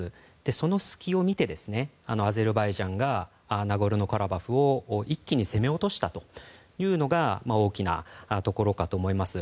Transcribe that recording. その隙を見てアゼルバイジャンがナゴルノカラバフを一気に攻め落としたというのが大きなところかと思います。